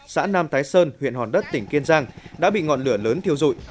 xã nam tái sơn huyện hòn đất tỉnh kiên giang đã bị ngọn lửa lớn thiêu dụi